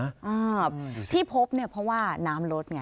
อ่าที่พบเนี่ยเพราะว่าน้ำลดไง